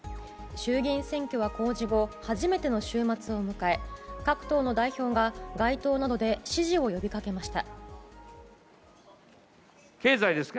衆議院選挙は公示後、初めての週末を迎え各党の代表が街頭などで支持を呼びかけました。